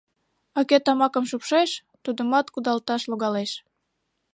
А кӧ тамакым шупшеш — тудымат кудалташ логалеш.